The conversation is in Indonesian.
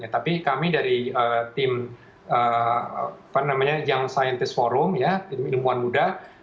tapi kami dari tim apa namanya yang scientist forum ya ilmuwan muda